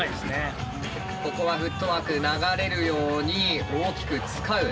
ここはフットワーク流れるように大きく使う。